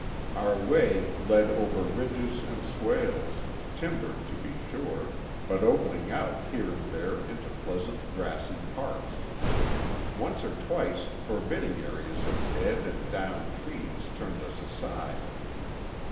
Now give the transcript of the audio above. Our way led over ridges and swales, timbered, to be sure, but opening out here and there into pleasant grassy parks. Once or twice forbidding areas of dead and down trees turned us aside.